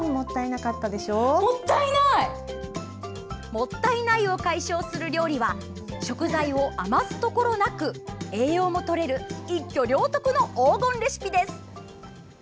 もったいないを解消する料理は食材を余すところなく栄養もとれる一挙両得の黄金レシピです。